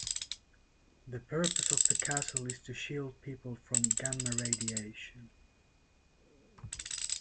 The purpose of the castle is to shield people from gamma radiation.